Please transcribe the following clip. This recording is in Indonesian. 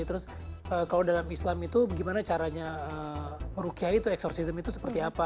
terus kalau dalam islam itu gimana caranya merukiah itu eksorsistem itu seperti apa